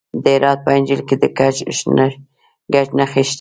د هرات په انجیل کې د ګچ نښې شته.